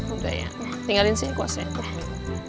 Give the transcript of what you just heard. udah ya tinggalin sih kuasanya